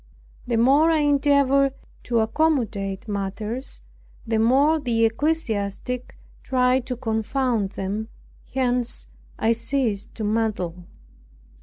The more I endeavored to accommodate matters, the more the ecclesiastic tried to confound them, hence I ceased to meddle.